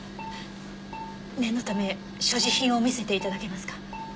念のため所持品を見せて頂けますか？